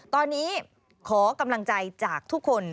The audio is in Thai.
ตอนนี้ขอกำลังใจจากทุกคน